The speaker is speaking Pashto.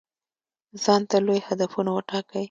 ځانته لوی هدفونه وټاکئ.